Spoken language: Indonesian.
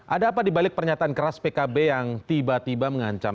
ada apa dibalik pernyataan keras pkb yang tiba tiba mengancam